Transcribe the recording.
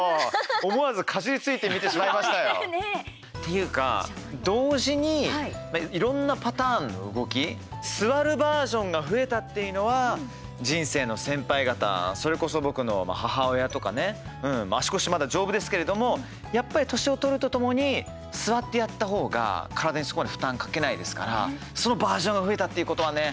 思わずかじりついて見てしまいましたよ。というか、同時にいろんなパターンの動き座るバージョンが増えたっていうのは、人生の先輩方それこそ僕の母親とかね足腰まだ丈夫ですけれどもやっぱり歳を取るとともに座ってやった方が、体にそこまで負担かけないですからそのバージョンが増えたっていうことはね